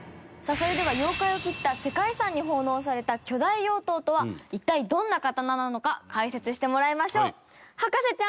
それでは妖怪を斬った世界遺産に奉納された巨大妖刀とは一体どんな刀なのか解説してもらいましょう。